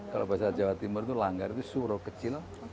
kalau bahasa jawa timur itu langgar itu suro kecil